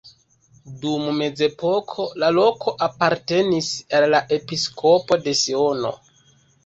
Dum mezepoko la loko apartenis al la episkopo de Siono.